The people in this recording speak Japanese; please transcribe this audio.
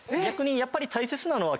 やっぱり。